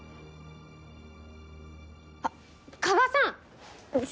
あっ加賀さん！